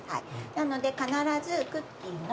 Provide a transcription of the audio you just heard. なので必ずクッキーの。